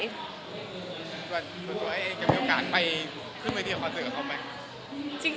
ส่วนสวยจะมีโอกาสไปขึ้นไปที่อากาศเตรียมกับเขาไหม